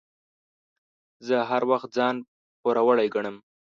زه هر وخت ځان پوروړی ګڼم.